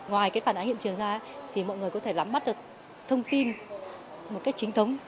ngoài cái phản ánh hiện trường ra thì mọi người có thể lắm bắt được thông tin một cách chính thống